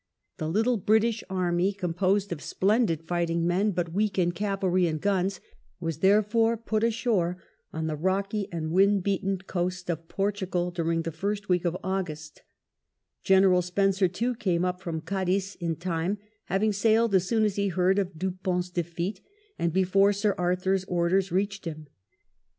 The little British army, composed of splendid fighting men, but weak in cavalry and guns, was therefore put ashore on the rocky and wind beaten coast of Portugal during the first week of August, General Spencer, too, came up from Cadiz in time, having sailed as soon as he heard of Dupont*s defeat and before Sir Arthur's orders reached him.